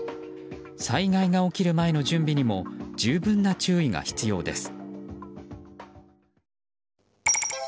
災害が起きる前の準備にも十分な注意が必要です。